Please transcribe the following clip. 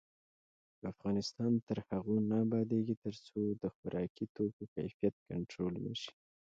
افغانستان تر هغو نه ابادیږي، ترڅو د خوراکي توکو کیفیت کنټرول نشي.